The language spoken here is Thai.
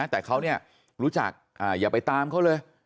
แต่เขารู้จักอย่าไปตามเขาเลย